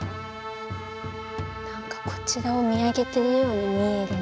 何かこちらを見上げてるように見えるね。